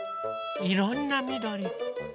いろんなみどり。